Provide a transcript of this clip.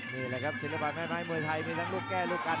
นี่แหละครับศิลปะแม่ไม้มวยไทยมีทั้งลูกแก้ลูกกัน